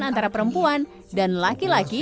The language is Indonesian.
antara perempuan dan laki laki